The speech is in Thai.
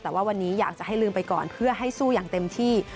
แต่ว่าวันนี้อยากจะให้ลืมไปก่อนเพื่อให้สู้อย่างเต็มที่